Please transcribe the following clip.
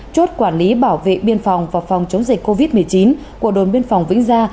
chốt quản lý bảo vệ biên phòng và phòng chống dịch covid một mươi chín của đồn biên phòng vĩnh gia